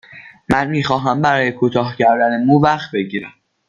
من می خواهم برای کوتاه کردن مو وقت بگیرم.